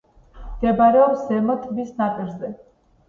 მდებარეობს ზემო ტბის ნაპირზე.